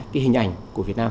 cái hình ảnh của việt nam